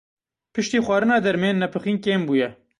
Piştî xwarina dermên nepixîn kêm bûye.